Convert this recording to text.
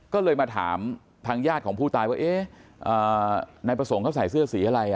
ก็เลยมาถามทางญาติของผู้ตายว่าเอ๊ะนายประสงค์เขาใส่เสื้อสีอะไร